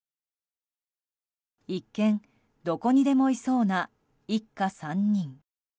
一見どこにでもいそうな一家３人。